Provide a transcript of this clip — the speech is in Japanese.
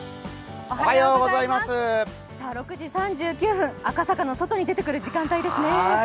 ６時３９分赤坂の外に出てくる時間帯ですね。